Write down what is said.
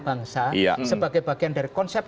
bangsa sebagai bagian dari konsep